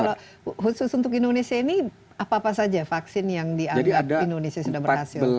kalau khusus untuk indonesia ini apa apa saja vaksin yang dianggap indonesia sudah berhasil